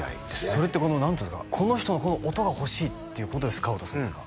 それって何ていうんですかこの人のこの音が欲しいっていうことでスカウトするんですか？